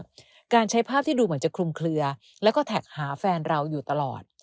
การใช้ภาพที่ดูเหมือนจะคลุมเคลือแล้วก็แท็กหาแฟนเราอยู่ตลอด